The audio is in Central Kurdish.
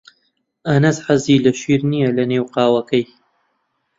ئەنەس حەزی لە شیر نییە لەنێو قاوەکەی.